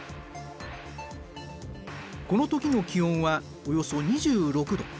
この時の気温はおよそ２６℃。